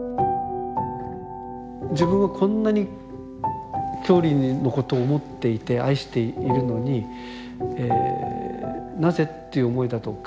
自分はこんなに郷里のことを思っていて愛しているのになぜという思いだとか。